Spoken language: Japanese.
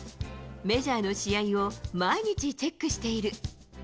メジャーの試合を毎日チェックしている。